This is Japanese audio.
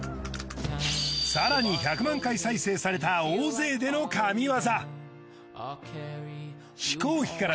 さらに１００万回再生された大勢での神業！